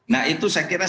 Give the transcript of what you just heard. nah itu saya kira